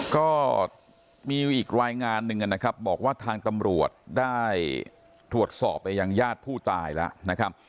ก็มีอีกรายงานหนึ่งนะครับบอกว่าทางตำรวจได้ตรวจสอบไปยังญาติผู้ตายแล้วนะครับ